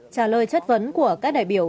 trả lời chất vấn của các đại biểu